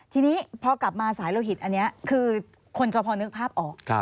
ทีนี้พอกลับมาสายโลหิตอันนี้คือคนจะพอนึกภาพออก